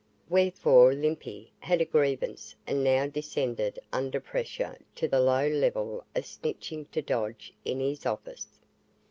Wherefore Limpy had a grievance and now descended under pressure to the low level of snitching to Dodge in his office.